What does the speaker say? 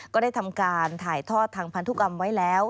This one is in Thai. ก็ได้ทำการถ่ายทอดทางพันธุกรรมไว้แล้ว